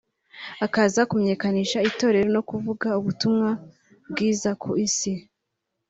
akaza kumenyekanisha itorero no kuvuga ubutumwa bwiza ku Isi